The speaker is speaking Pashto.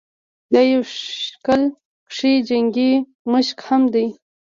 دا يو شکل کښې جنګي مشق هم دے